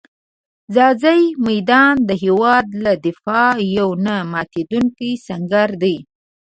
ځاځي میدان د هېواد له دفاع یو نه ماتېدونکی سنګر دی.